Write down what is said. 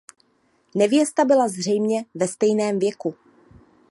Nevěsta byla zřejmě ve stejném věku.